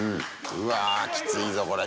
うわきついぞ、これ。